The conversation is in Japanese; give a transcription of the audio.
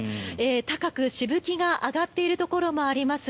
高くしぶきが上がっているところもあります。